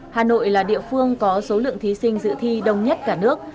hà nội là địa phương có số lượng thí sinh dự thi đông nhất cả nước